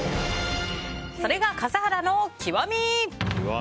それが笠原の極み！